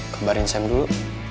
kebariin sam dulu